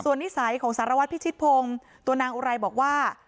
ส่วนนิสัยของสาราวัตรพี่ชิดพงตัวนางอุไรบอกว่า